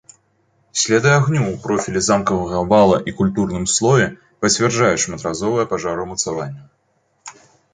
Сляды агню ў профілі замкавага вала і культурным слоі пацвярджаюць шматразовыя пажары ўмацаванняў.